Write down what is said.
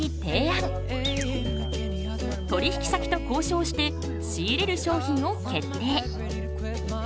取引先と交渉して仕入れる商品を決定。